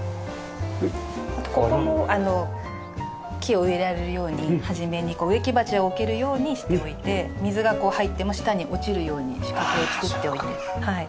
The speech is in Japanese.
あとここも木を植えられるように初めに植木鉢を置けるようにしておいて水が入っても下に落ちるように仕掛けを作っておいてはい。